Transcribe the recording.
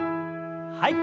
はい。